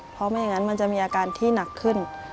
เพราะไม่อย่างนั้นมันจะมีอาการที่หนักขึ้น